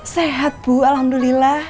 sehat bu alhamdulillah